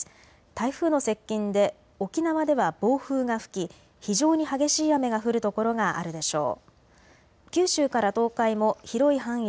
台風の接近で沖縄では暴風が吹き非常に激しい雨が降る所があるでしょう。